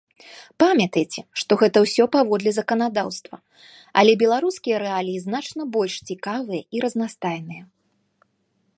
Памятайце, што гэта ўсё паводле заканадаўства, але беларускія рэаліі значна больш цікавыя і разнастайныя.